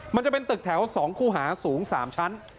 มันจะเป็นตึกแถว๒คู่หาสูง๓ชั้น